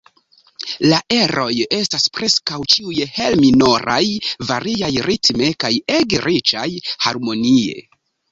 La eroj estas preskaŭ ĉiuj hel-minoraj, variaj ritme kaj ege riĉaj harmonie.